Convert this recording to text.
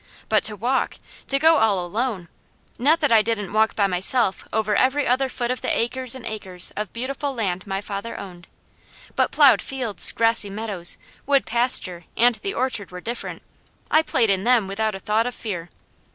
But to walk! To go all alone! Not that I didn't walk by myself over every other foot of the acres and acres of beautiful land my father owned; but plowed fields, grassy meadows, wood pasture, and the orchard were different. I played in them without a thought of fear.